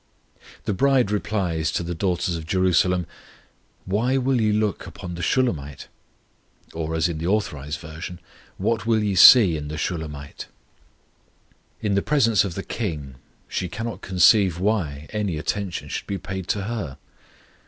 The bride replies to the daughters of Jerusalem: Why will ye look upon the Shulammite? or, as in the Authorized Version, What will ye see in the Shulamite? In the presence of the KING, she cannot conceive why any attention should be paid to her.